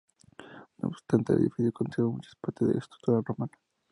No obstante, el edificio conserva muchas partes de la estructura romana.